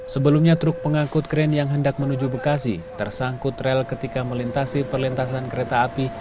sebelumnya truk pengangkut kren yang hendak menuju bekasi tersangkut rel ketika melintasi perlintasan kereta api